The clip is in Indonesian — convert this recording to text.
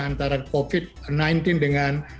antara covid sembilan belas dengan